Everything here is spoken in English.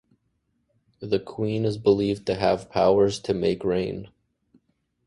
The queen is believed to have powers to make rain.